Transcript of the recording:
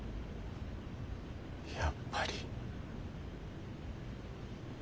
やっぱり。